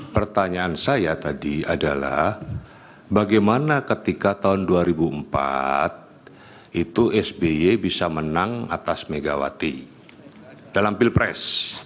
pertanyaan saya tadi adalah bagaimana ketika tahun dua ribu empat itu sby bisa menang atas megawati dalam pilpres